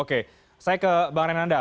oke saya ke bang renanda